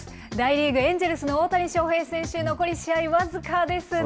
大リーグ・エンジェルスの大谷翔平選手、残り試合僅かですね。